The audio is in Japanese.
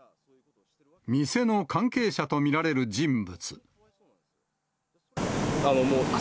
店の関係者と見られる人物。